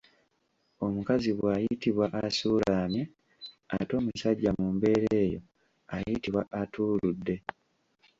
Omukazi bw’ayitibwa asuulamye ate omusajja mu mbeera eyo ayitibwa atuuludde.